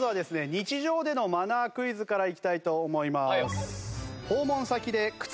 日常でのマナークイズからいきたいと思います。